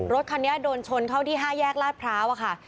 รถคันนี้โดนชนเข้าที่๕แยกลาดพร้าวค่ะ